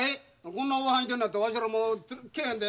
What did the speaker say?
こんなおばはんいてんのやったらわしらもう来いひんで。